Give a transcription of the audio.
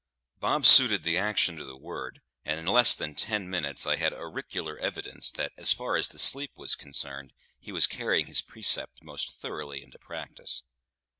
Bob suited the action to the word, and in less than ten minutes I had auricular evidence that, as far as the sleep was concerned, he was carrying his precept most thoroughly into practice.